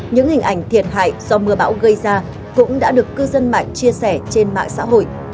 những hình ảnh thiệt hại do mưa bão gây ra cũng đã được cư dân mạng chia sẻ trên mạng xã hội